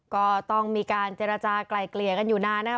ก็ต้องมีการเจรจากลายเกลี่ยกันอยู่นานนะครับ